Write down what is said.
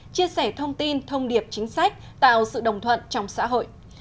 chia sẻ thông tin thông điệp chính sách tạo sự đồng thuận trong xã hội